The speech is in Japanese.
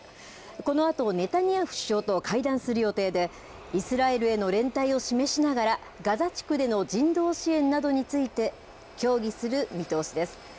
このあと、ネタニヤフ首相と会談する予定で、イスラエルへの連帯を示しながら、ガザ地区での人道支援などについて、協議する見通しです。